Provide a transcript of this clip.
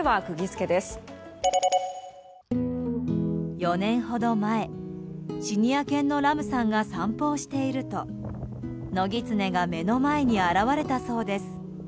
４年ほど前シニア犬のラムさんが散歩をしていると野ギツネが目の前に現れたそうです。